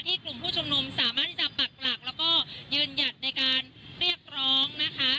กลุ่มผู้ชุมนุมสามารถที่จะปักหลักแล้วก็ยืนหยัดในการเรียกร้องนะคะ